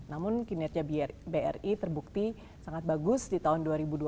namun kinerja bri terbukti sangat bagus di tahun dua ribu dua puluh